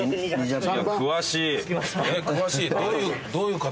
詳しい。